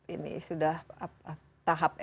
ini sudah tahap